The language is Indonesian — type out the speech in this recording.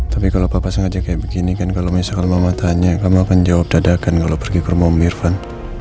tapi kalau papa sengaja kayak begini kan kalau misal mama tanya kamu akan jawab dadah kan kalau pergi ke rumah om irfan